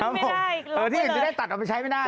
ที่อื่นจะได้ตัดเอาไปใช้ไม่ได้